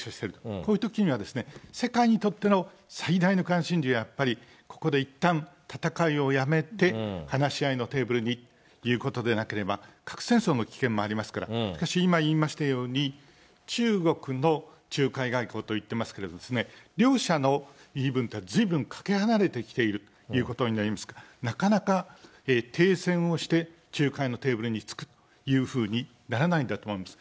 こういうときには、世界にとっての最大の関心事はやっぱり、ここでいったん戦いをやめて、話し合いのテーブルにということでなければ、核戦争の危険もありますから、しかし今言いましたように、中国の仲介外交といってますけれども、両者の言い分というのはずいぶんかけ離れてきているということになりますから、なかなか停戦をして、仲介のテーブルに着くというふうにならないんだと思います。